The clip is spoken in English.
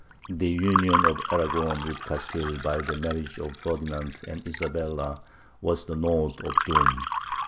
The union of Aragon with Castile by the marriage of Ferdinand and Isabella was the note of doom.